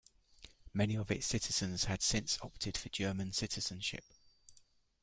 Many of its citizens had since opted for German citizenship.